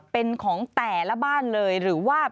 เป็นของแต่ละบ้านเลยหรือว่า